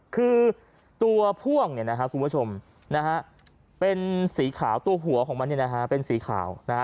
คือตัวพ่วงเนี่ยนะครับคุณผู้ชมนะฮะเป็นสีขาวตัวหัวของมันเนี่ยนะฮะเป็นสีขาวนะฮะ